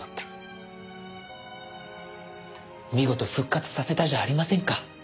見事復活させたじゃありませんか。